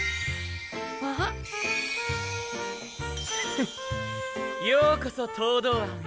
フッようこそ東堂庵へ！